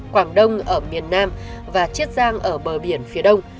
quảng đông ở miền nam và chiết giang ở bờ biển phía đông